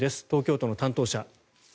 東京都の担当者。